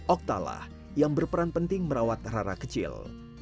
oktalah yang berperan penting merawat rara kecil